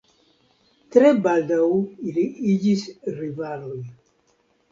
Tre baldaŭ ili iĝis rivaloj.